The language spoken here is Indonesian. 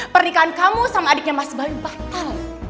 pernikahan kamu sama adiknya mas bayu batal